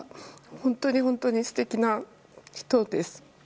本当に本当に素敵な人です。